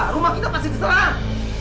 rumah kita pasti diserang